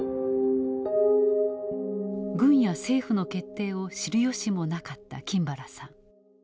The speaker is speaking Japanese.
軍や政府の決定を知る由もなかった金原さん。